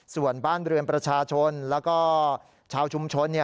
ส่วนบ้านเรือนประชาชนแล้วก็ชาวชุมชน